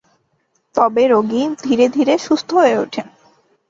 তবে রোগী ধীরে ধীরে সুস্থ হয়ে উঠেন।